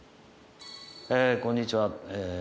こんにちは。